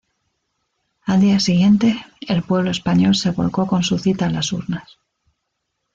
Al día siguiente, el pueblo español se volcó con su cita a las urnas.